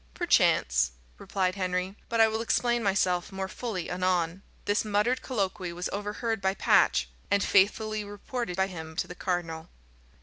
"Perchance," replied Henry; "but I will explain myself more fully anon." This muttered colloquy was overheard by Patch, and faithfully reported by him to the cardinal.